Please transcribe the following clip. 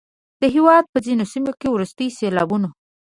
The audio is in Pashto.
د هیواد په ځینو سیمو کې وروستیو سیلابونو